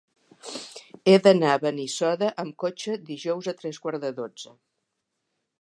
He d'anar a Benissoda amb cotxe dijous a tres quarts de dotze.